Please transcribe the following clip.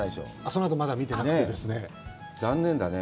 そのあと、まだ見てなくてですね。